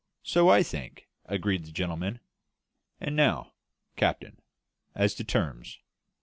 "So I think," agreed the gentleman. "And now, captain, as to terms?"